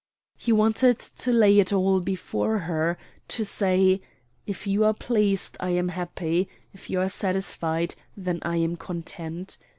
He wanted to lay it all before her, to say, "If you are pleased, I am happy. If you are satisfied, then I am content.